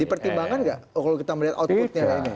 dipertimbangkan nggak kalau kita melihat outputnya ini